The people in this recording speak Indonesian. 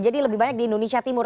jadi lebih banyak di indonesia timur